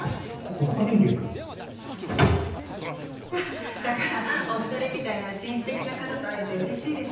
国家権力？だからお２人みたいな紳士的な方と会えてうれしいです。